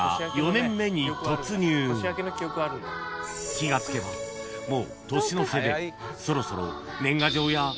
［気が付けばもう年の瀬でそろそろ］